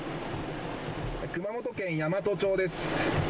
熊本県山都町です。